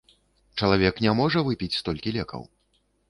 Чалавек не можа выпіць столькі лекаў.